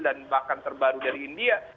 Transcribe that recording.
dan bahkan terbaru dari india